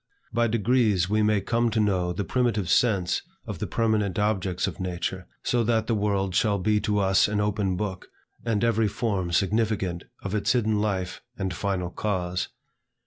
By degrees we may come to know the primitive sense of the permanent objects of nature, so that the world shall be to us an open book, and every form significant of its hidden life and final cause.